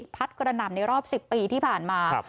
กระหน่ำในรอบ๑๐ปีที่ผ่านมา